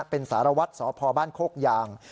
เป็นสารวัตรสพบ้านโคกยาง